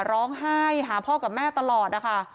ร้องไห้หาพ่อกับแม่ตลอดนะคะ